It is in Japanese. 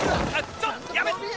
ちょっやめて！